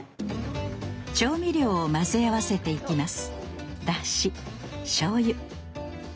調味料を混ぜ合わせていきます